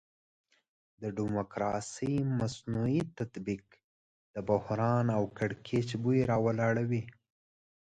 د ډیموکراسي مصنوعي تطبیق د بحران او کړکېچ بوی راولاړوي.